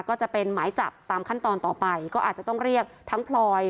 ก็จะเป็นหมายจับตามขั้นตอนต่อไปก็อาจจะต้องเรียกทั้งพลอย